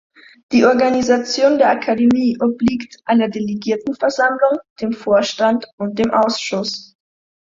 Die Organisation der Akademie obliegt einer Delegiertenversammlung, dem Vorstand und dem Ausschuss.